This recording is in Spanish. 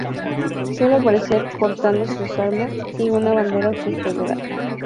Suele aparecer portando sus armas y una bandera confederada.